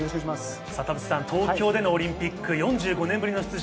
田臥さん、東京オリンピック、４５年ぶりの出場。